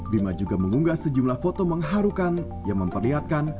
bima juga mengunggah sejumlah foto mengharukan yang memperlihatkan